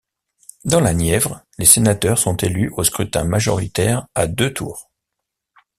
Dans la Nièvre, les sénateurs sont élus au scrutin majoritaire à deux tours.